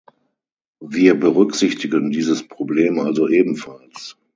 Wir berücksichtigen dieses Problem also ebenfalls.